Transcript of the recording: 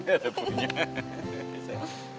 ya udah punya